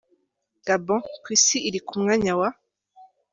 Gabon : ku isi iri ku mwanya wa .